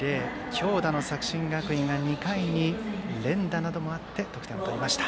強打の作新学院が２回に連打などもあって得点を取りました。